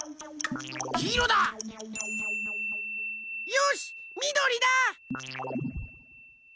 よしみどりだ！